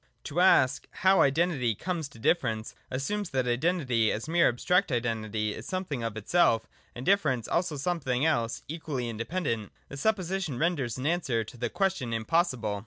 To ask, ' How Identity comes to Difference,' assumes that Identity as mere abstract Identity is something of itself, and Difference also something else equally inde pendent. This supposition renders an answer to the question impossible.